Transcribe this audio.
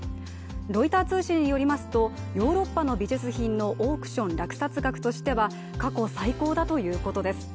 ロイター通信によりますとヨーロッパの美術品のオークション落札額としては過去最高だということです。